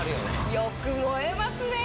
よく燃えますねぇ！